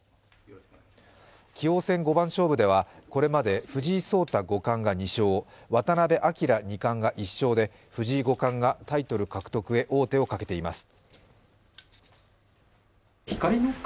棋王戦五番勝負では、これまで藤井聡太五冠が２勝、渡辺明二冠が１勝で藤井五冠がタイトル獲得へ王手をかけています。